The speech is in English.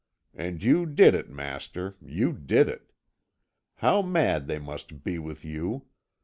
And you did it, master, you did it. How mad they must be with you!